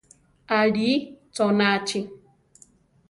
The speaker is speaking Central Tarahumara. Alíi chónachi.